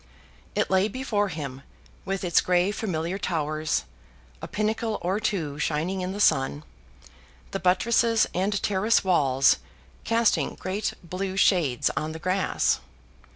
It lay before him with its gray familiar towers, a pinnacle or two shining in the sun, the buttresses and terrace walls casting great blue shades on the grass.